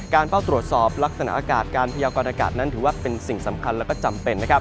เฝ้าตรวจสอบลักษณะอากาศการพยากรณากาศนั้นถือว่าเป็นสิ่งสำคัญและก็จำเป็น